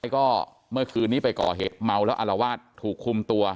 ก็เมื่อคืนนี้ไปก่อเหตุเมาแล้วอารวาสถูกคุมตัว